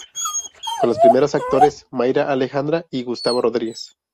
Con los primeros actores Mayra Alejandra y Gustavo Rodríguez.